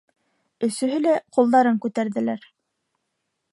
Өсөһө лә ҡулдарын күтәрҙеләр.